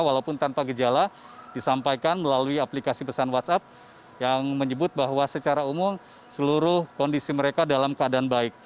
walaupun tanpa gejala disampaikan melalui aplikasi pesan whatsapp yang menyebut bahwa secara umum seluruh kondisi mereka dalam keadaan baik